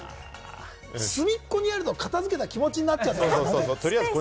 隅っこにあるのを片付けた気持ちになっちゃう。